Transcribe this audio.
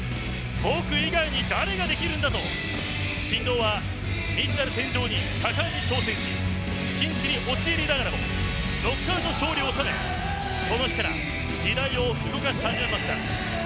僕以外、誰ができるんだと神童は未知なる天井に果敢に挑戦しピンチに陥りながらもノックアウト勝利を収めその日から時代を動かし始めました。